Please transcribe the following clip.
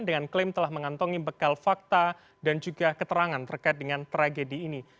dengan klaim telah mengantongi bekal fakta dan juga keterangan terkait dengan tragedi ini